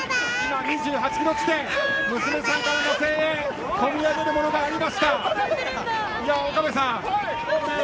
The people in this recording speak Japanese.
２８キロ地点娘さんからの声援にこみ上げるものがありました。